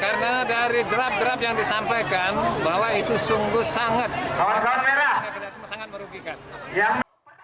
karena dari drop drop yang disampaikan bahwa itu sungguh sangat merugikan